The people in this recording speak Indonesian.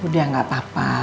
udah enggak apa apa